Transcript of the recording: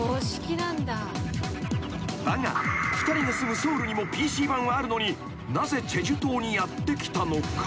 ［だが２人が住むソウルにもＰＣバンはあるのになぜ済州島にやって来たのか？］